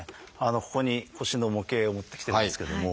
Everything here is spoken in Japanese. ここに腰の模型を持ってきてますけども。